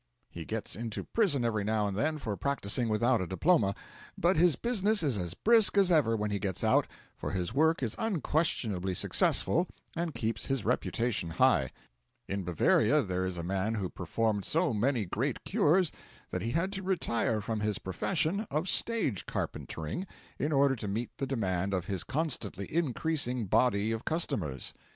He gets into prison every now and then for practising without a diploma, but his business is as brisk as ever when he gets out, for his work is unquestionably successful and keeps his reputation high. In Bavaria there is a man who performed so many great cures that he had to retire from his profession of stage carpentering in order to meet the demand of his constantly increasing body of customers.